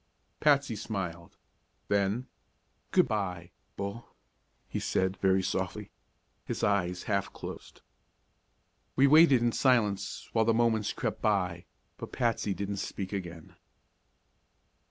Patsy smiled. Then: "Good by Bull," he said very softly. His eyes half closed. We waited in silence while the moments crept by, but Patsy didn't speak again.